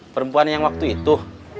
perempuan yang waktu itu